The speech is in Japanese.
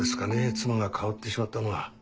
妻が変わってしまったのは。